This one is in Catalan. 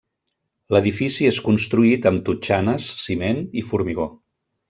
L'edifici és construït amb totxanes, ciment i formigó.